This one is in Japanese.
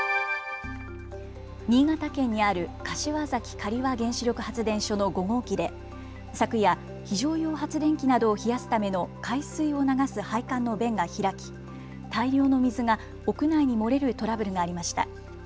新潟県にある柏崎刈羽原子力発電所の５号機で昨夜、非常用発電機などを冷やすための海水を流す配管の弁が開き大量の水が屋内に漏れるトラブルがありました。